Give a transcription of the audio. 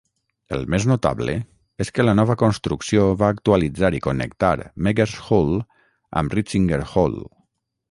El més notable és que la nova construcció va actualitzar i connectar Meggers Hall amb Ritzinger Hall.